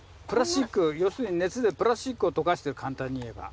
要するに熱でプラスチックを溶かしてる簡単に言えば。